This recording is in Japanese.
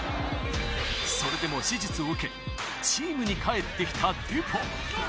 それでも手術を受け、チームに帰ってきたデュポン。